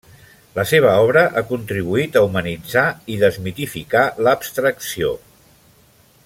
La seva obra ha contribuït a humanitzar i desmitificar l’abstracció.